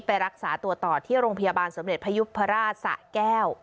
ไปรักษาตัวต่อที่โรงพยาบาลสมเด็จพยุพราชสะแก้ว